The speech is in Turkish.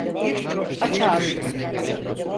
Aç ağzını.